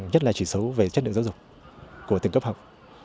nhất là chỉ số về chất lượng giáo dục của từng cấp học